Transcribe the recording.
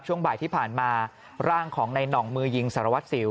ช่วงบ่ายที่ผ่านมาร่างของในหน่องมือยิงสารวัตรสิว